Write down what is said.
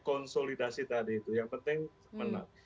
konsolidasi tadi itu yang penting menang